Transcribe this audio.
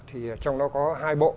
thì trong đó có hai bộ